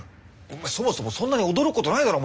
そもそもそんなに驚くことないだろお前。